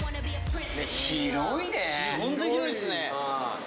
ホント広いっすね。